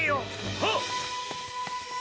はっ！